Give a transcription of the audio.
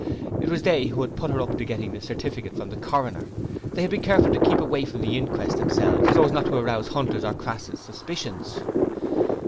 It was they who had put her up to getting the certificate from the Coroner they had been careful to keep away from the inquest themselves so as not to arouse Hunter's or Crass's suspicions.